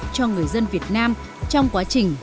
cho người dân việt nam trong quá trình